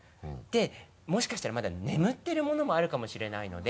もしかしたらまだ眠ってるものもあるかもしれないので。